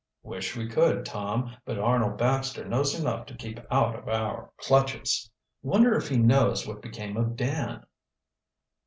"Wish we could, Tom. But Arnold Baxter knows enough to keep out of our clutches." "Wonder if he knows what became of Dan?"